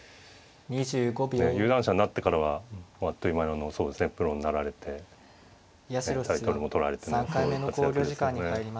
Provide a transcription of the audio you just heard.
有段者になってからはあっという間にプロになられてタイトルも取られてねすごい活躍ですよね。